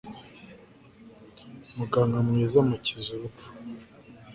muganga mwiza amukiza urupfu